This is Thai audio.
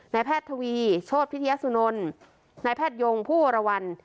นายแพทย์ทวีโชภิเทียสุนนนายแพทยงผู้อวรวรรณ